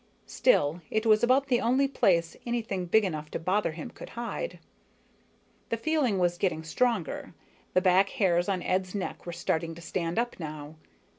Still, it was about the only place anything big enough to bother him could hide. The feeling was getting stronger, the back hairs on Ed's neck were starting to stand up now.